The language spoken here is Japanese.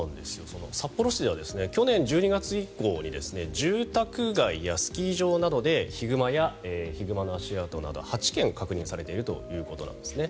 札幌市では去年１２月以降に住宅街やスキー場などでヒグマやヒグマの足跡など８件確認されているということなんですね。